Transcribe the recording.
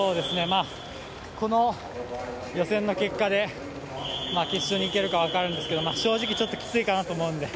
この予選の結果で決勝にいけるか分かるんですけど正直、ちょっときついかなと思うので。